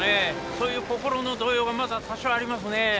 そういう心の動揺がまだ多少ありますね。